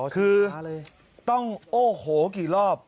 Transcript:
คือต้องโอ้โหกี่รอบ